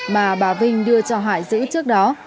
mà bà vinh đưa cho hải giữ trước đó